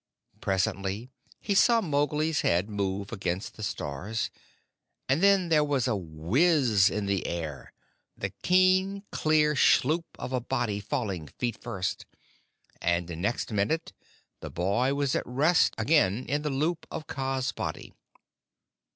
Presently he saw Mowgli's head move against the stars, and then there was a whizz in the air, the keen, clean schloop of a body falling feet first, and next minute the boy was at rest again in the loop of Kaa's body.